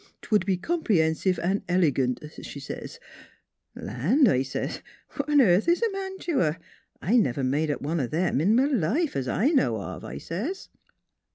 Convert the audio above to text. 'Twould be com pre hen sive an' el' gant,' s' she. ' Land !' I says, ' what on airth is a man tua ? I never made up one of 'em in m' life, es I know of,' I says."